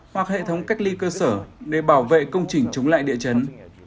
hoặc hệ thống cách ly cơ sở để bảo vệ công trình chống lại địa chấn